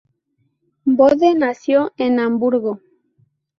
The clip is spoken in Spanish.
Bode nació en Hamburgo.